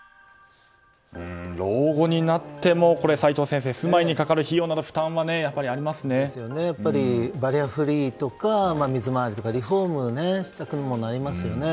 老後になっても齋藤先生、住まいにかかる費用のバリアフリーとか水回りとかリフォームをしたくなりますよね。